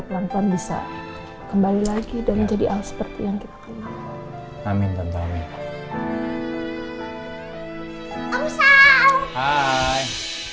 kita bisa kembali lagi dan jadi al seperti yang kita kenal amin